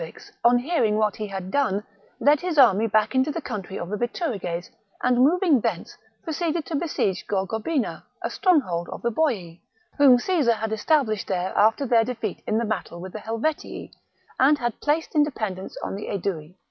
Vercingetorix, on hearing what he had done, led his army back into the country of the Bituriges, and moving thence, proceeded to besiege Gorgobina, a stronghold of the Boii, whom Caesar had established there after their defeat in the battle with the Helvetii, and had placed in dependence on the Aedui.